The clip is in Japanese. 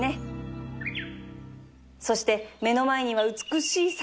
そして目の前には美しい桜！